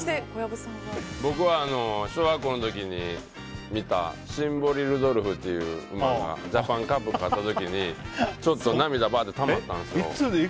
僕は小学校の時に見たシンボリルドルフっていうジャパンカップで勝った時に涙がたまったんですよ。